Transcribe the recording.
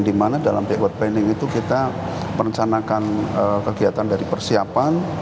dimana dalam backward planning itu kita merencanakan kegiatan dari persiapan